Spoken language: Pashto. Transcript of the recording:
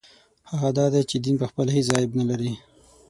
هغه دا دی چې دین پخپله هېڅ عیب نه لري.